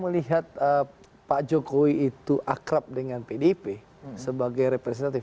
melihat pak jokowi itu akrab dengan pdip sebagai representatif